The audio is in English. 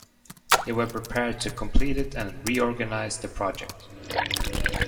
They were prepared to complete it and reorganized the project.